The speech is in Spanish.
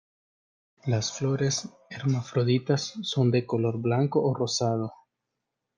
Las flores, hermafroditas son de color blanco o rosado.